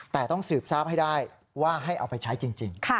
แต่ต้องสืบทราบให้ได้ว่าให้เอาไปใช้จริง